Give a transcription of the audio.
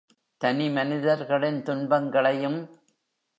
தனி மனிதர்களின் துன்பங்களையும்.